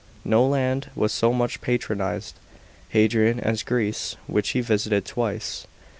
§ 16. No land was so much patronised b\ Hadrian as Greece, which he visited twice.